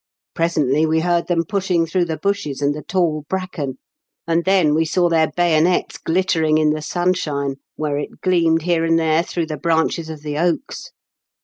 Presently we heard them pushing through the bushes and the tall bracken, and then we saw their bayonets glittering in the sunshine where it gleamed here and there through the branches of the oaks.